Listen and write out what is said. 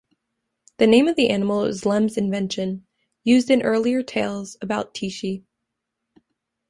The name of the animal is Lem's invention, used in earlier tales about Tichy.